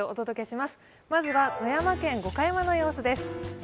まずは富山県五箇山の様子です。